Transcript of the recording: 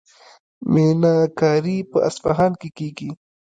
میناکاري په اصفهان کې کیږي.